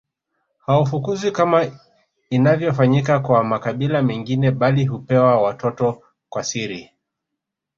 Hawafukuzwi kama inavyofanyika kwa makabila mengine bali hupewa watoto kwa siri